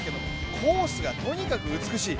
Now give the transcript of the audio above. コースがとにかく美しい。